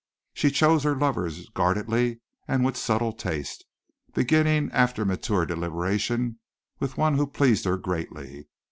She chose her lovers guardedly and with subtle taste, beginning after mature deliberation with one who pleased her greatly.